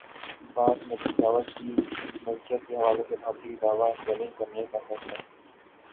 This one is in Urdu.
باسمتی چاول کی ملکیت کے حوالے سے بھارتی دعوی چیلنج کرنے کا فیصلہ